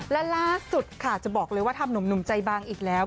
และล่าสุดค่ะจะบอกเลยว่าทำหนุ่มใจบางอีกแล้ว